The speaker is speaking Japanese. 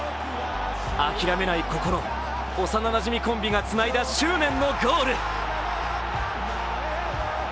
諦めない心幼なじみコンビがつないだ執念のゴール。